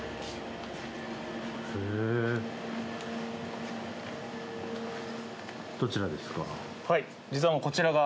へえどちらですか？